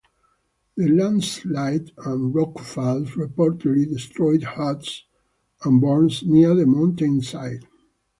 The landslides and rockfalls reportedly destroyed huts and barns near the mountainside.